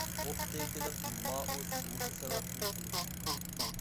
ئوپتىكىلىق مائۇس مۇشۇ سەۋەبتىن كېلىپ چىققان.